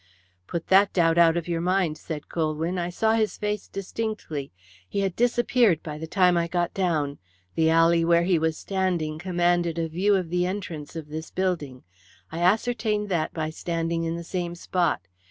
"Put that doubt out of your mind," said Colwyn. "I saw his face distinctly. He had disappeared by the time I got down. The alley where he was standing commanded a view of the entrance of this building. I ascertained that by standing in the same spot.